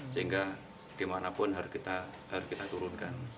sehingga dimanapun harus kita turunkan